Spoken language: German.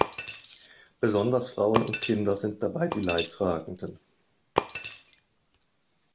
Besonders Frauen und Kinder sind dabei die Leidtragenden.